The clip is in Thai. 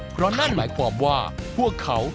เพราะนั่นหมายความว่าพวกเขา